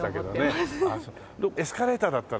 エスカレーターだったらいいよね。